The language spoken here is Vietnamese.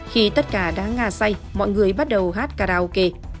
khi tất cả đã ngà say mọi người bắt đầu hát karaoke